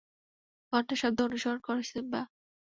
ঘণ্টার শব্দ অনুসরণ কর, সিম্বা।